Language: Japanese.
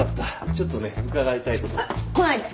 ちょっとね伺いたい事が。来ないで！